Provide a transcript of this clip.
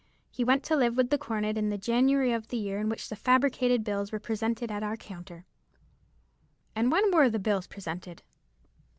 He went to live with the cornet in the January of the year in which the fabricated bills were presented at our counter." "And when were the bills presented?"